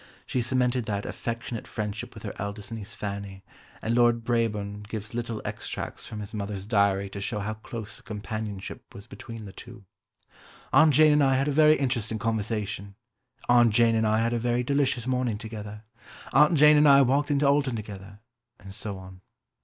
She cemented that affectionate friendship with her eldest niece Fanny, and Lord Brabourne gives little extracts from his mother's diary to show how close the companionship was between the two, "Aunt Jane and I had a very interesting conversation," "Aunt Jane and I had a very delicious morning together," "Aunt Jane and I walked into Alton together," and so on.